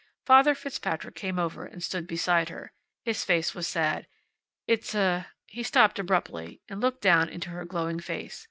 Father Fitzpatrick came over and stood beside her. His face was sad. "It's a " He stopped abruptly, and looked down into her glowing face.